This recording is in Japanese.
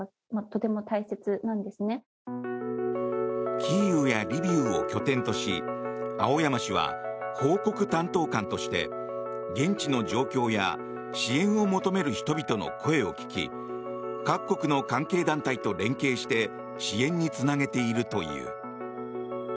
キーウはリビウを拠点とし青山氏は報告担当官として現地の状況や支援を求める人々の声を聞き各国の関係団体と連携して支援につなげているという。